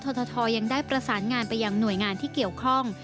ททยังได้ประสานงานไปยังหน่วยงานที่เกี่ยวข้อง